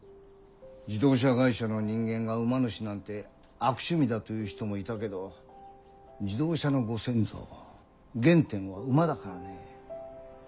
自動車会社の人間が馬主なんて悪趣味だと言う人もいたけど自動車のご先祖原点は馬だからね。